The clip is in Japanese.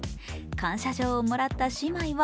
感謝状をもらった姉妹は